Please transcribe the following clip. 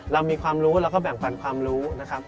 เรามีความรู้เราก็แบ่งปันความรู้นะครับ